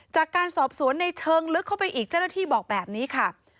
จากการสอบสวนในเชิงลึกเข้าไปอีกเจ้าหน้าที่บอกแบบนี้ค่ะ